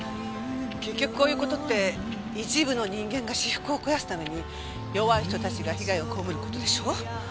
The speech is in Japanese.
結局こういう事って一部の人間が私腹を肥やすために弱い人たちが被害を被る事でしょう？